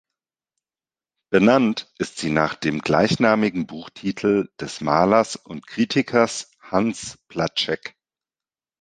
Benannt ist sie nach dem gleichnamigen Buchtitel des Malers und Kritikers Hans Platschek.